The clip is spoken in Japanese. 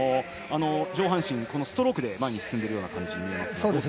上半身、このストロークで前に進んでいるように見えます。